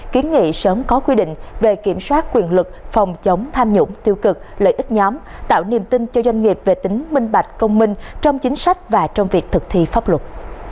kiến nghị sớm có quy định về kiểm soát quyền lực phòng chống tham nhũng tiêu cực lợi ích nhóm tạo niềm tin cho doanh nghiệp về tính minh bạch công minh trong chính sách và trong việc thực thi pháp luật